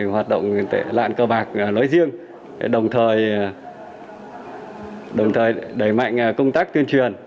hoạt động tệ lạn cơ bạc nói riêng đồng thời đẩy mạnh công tác tuyên truyền